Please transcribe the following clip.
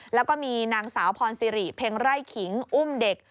แล้วก็มีนางสาวพรสิริเพ็งไร่ขิงอุ้มเด็ก